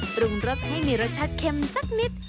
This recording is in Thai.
ปรุงรสให้มีรสชาติเค็มสักนิด